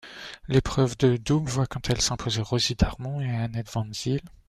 L'épreuve de double voit quant à elle s'imposer Rosie Darmon et Annette Van Zyl.